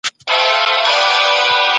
دا مواد له کیسې سره تړاو لري.